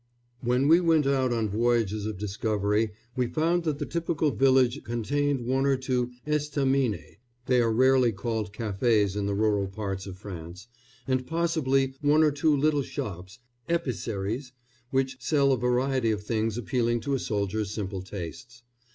When we went out on voyages of discovery we found that the typical village contained one or two estaminets they are rarely called cafés in the rural parts of France and possibly one or two little shops épiceries which sell a variety of things appealing to a soldier's simple tastes.